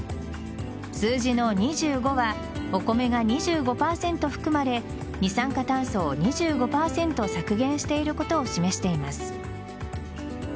数字の２５はお米が２５％含まれ二酸化炭素を２５％削減していることを示しています。